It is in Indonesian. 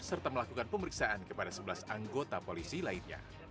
serta melakukan pemeriksaan kepada sebelas anggota polisi lainnya